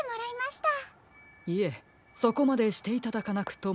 いえそこまでしていただかなくとも。